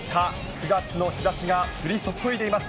９月の日ざしが降り注いでいます。